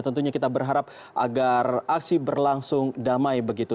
tentunya kita berharap agar aksi berlangsung damai begitu